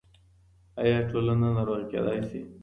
آيا ټولنه ناروغه کيدای سي؟